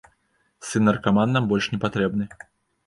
Сын-наркаман нам больш не патрэбны!